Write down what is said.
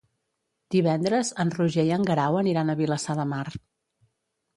Divendres en Roger i en Guerau aniran a Vilassar de Mar.